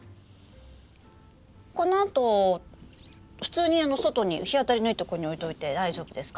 このあと普通に外に日当たりのいいとこに置いといて大丈夫ですか？